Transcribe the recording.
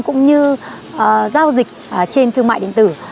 cũng như giao dịch trên thương mại điện tử